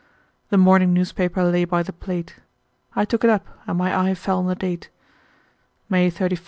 The morning newspaper lay by the plate. I took it up, and my eye fell on the date, May 31, 1887.